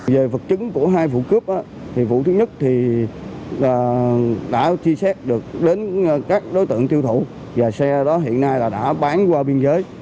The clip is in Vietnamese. về vật chứng của hai vụ cướp thì vụ thứ nhất thì đã chi xét được đến các đối tượng tiêu thủ và xe đó hiện nay là đã bán qua biên giới